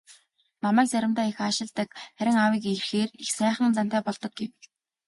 "Намайг заримдаа их аашилдаг, харин аавыг ирэхээр их сайхан зантай болдог" гэв.